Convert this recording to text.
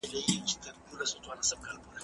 درېيمه نکته.